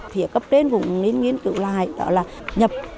phía cấp đến cũng nên nghiên cứu lại đó là nhập